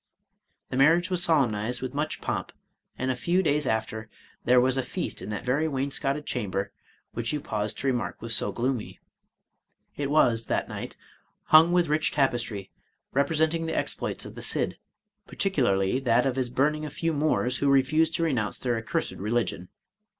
The marriage was solemnized with much pomp, and a few days after there was a feast in that very wainscoted chamber which you paused to remark was so gloomy. It was that night hung with rich tapestry, representing the exploits of the Cid, particularly that of his burning a few Moors who refused to renounce their accursed religion.